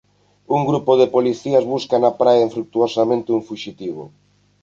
Un grupo de policías busca na praia infrutuosamente un fuxitivo.